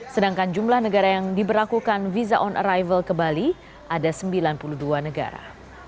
sedangkan jumlah negara yang diberlakukan visa on arrival ke bali ada sembilan puluh dua negara